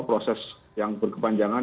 proses yang berkepanjangan